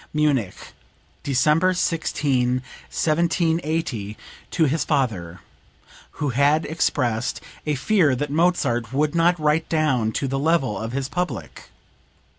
(Munich, December 16, 1780, to his father, who had expressed a fear that Mozart would not write down to the level of his public.